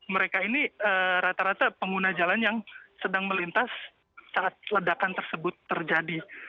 mereka ini rata rata pengguna jalan yang sedang melintas saat ledakan tersebut terjadi